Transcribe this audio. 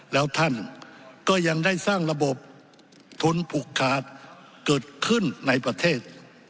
แล้วท่านก็ยังได้สร้างระบบทุนผูกขาดเกิดขึ้นในประเทศ